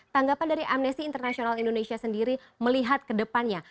tanggapan dari amnesty international indonesia sendiri melihat kedepannya